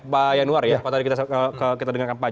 pak yanuar ya